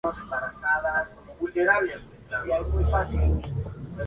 Una de las razones fue que no recibieron una alerta a tiempo.